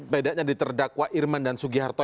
bedanya di terdakwa irman dan sugiharto